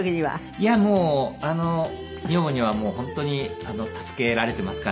いやもう女房には本当に助けられてますから。